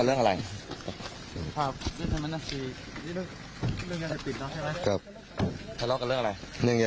อัศวินธรรมชาติ